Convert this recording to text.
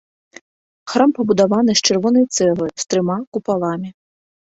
Храм пабудаваны з чырвонай цэглы, з трыма купаламі.